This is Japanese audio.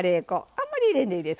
あんまり入れんでいいです。